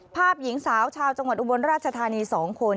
ภาพหญิงสาวชาวจังหวัดอุบลราชธานี๒คน